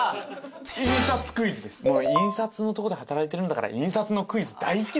印刷のとこで働いてるんだから印刷のクイズ大好きでしょ。